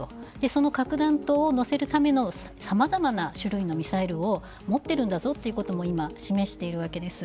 その核弾頭をのせるためのさまざまな種類のミサイルを持っているんだぞということを今、示しているわけです。